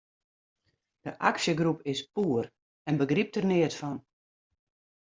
De aksjegroep is poer en begrypt der neat fan.